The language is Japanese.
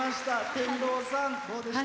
天童さん、どうでした？